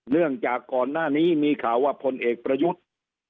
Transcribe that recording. เนื่องจากก่อนหน้านี้มีข่าวว่าพลเอกประยุทธ์